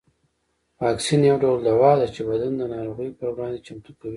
واکسین یو ډول دوا ده چې بدن د ناروغیو پر وړاندې چمتو کوي